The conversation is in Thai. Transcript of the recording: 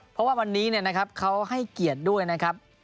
เพราะว่าวันนี้เขาให้เกียรติด้วยนะครับ